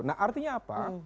nah artinya apa